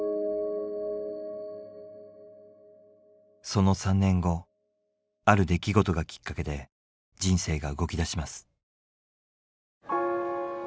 その３年後ある出来事がきっかけで人生が動きだします。